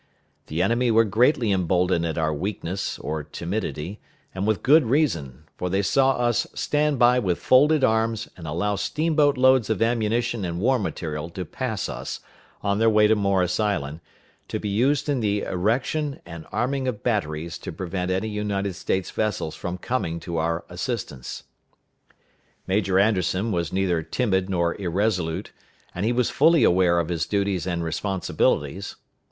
The enemy were greatly emboldened at our weakness or timidity, and with good reason, for they saw us stand by with folded arms, and allow steamboat loads of ammunition and war material to pass us, on their way to Morris Island, to be used in the erection and arming of batteries to prevent any United States vessels from coming to our assistance. Major Anderson was neither timid nor irresolute, and he was fully aware of his duties and responsibilities.